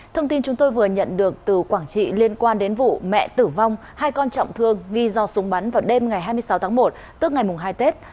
thông tin chúng tôi vừa nhận được từ quảng trị liên quan đến vụ mẹ tử vong hai con trọng thương nghi do súng bắn vào đêm ngày hai mươi sáu tháng một tức ngày hai tết